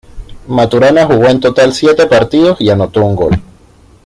Maturana jugó en total siete partidos y anotó un gol.